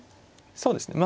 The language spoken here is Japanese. そうですね。